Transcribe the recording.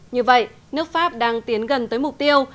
như vậy nước pháp đang tiến gần tới mục tiêu